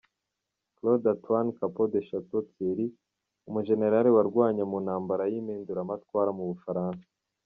Claude Antoine Capon de Château-Thierry, umujenerali warwanye mu ntambara y’impinduramatwara mu Bufaransa.